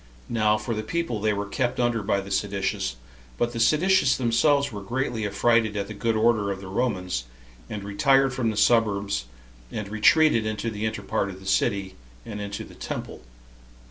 Now for the people, they were kept under by the seditious; but the seditious themselves were greatly affrighted at the good order of the Romans, and retired from the suburbs, and retreated into the inner part of the city, and into the temple.